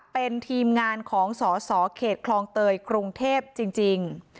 เป็นทีมงานของสสเขตคลองเตยกรุงเทพจริง